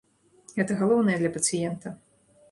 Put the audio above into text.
Гэта галоўнае для пацыента.